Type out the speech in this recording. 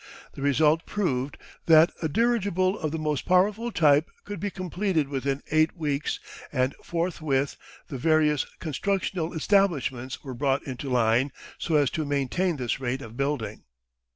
The result proved that a dirigible of the most powerful type could be completed within eight weeks and forthwith the various constructional establishments were brought into line so as to maintain this rate of building.